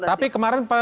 tapi kemarin pak sby